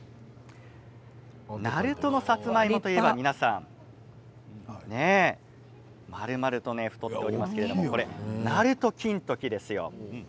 鳴門のさつまいもといえば皆さんまるまると太っていますけれどもなると金時ですよ。